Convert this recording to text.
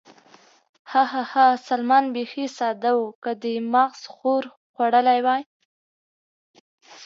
ها، ها، ها، سلمان بېخي ساده و، که دې محض ښور خوړلی وای.